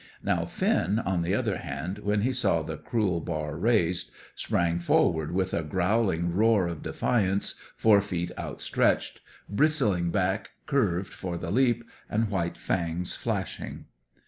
Now Finn, on the other hand, when he saw the cruel bar raised, sprang forward with a growling roar of defiance, fore feet outstretched, bristling back curved for the leap, and white fangs flashing.